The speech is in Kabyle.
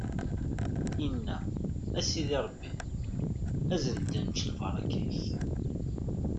Inna: A Sidi Ṛebbi, azen-d ad nečč lbaṛaka-k!